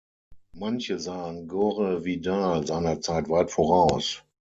Manche sahen Gore Vidal seiner Zeit weit voraus.